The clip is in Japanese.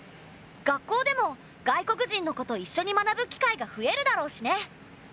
学校でも外国人の子といっしょに学ぶ機会が増えるだろうしね。